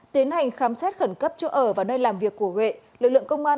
tiến hành khám xét khẩn cấp chỗ ở và nơi làm việc của huệ lực lượng công an